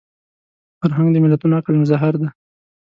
فرهنګ د ملتونو عقل مظهر دی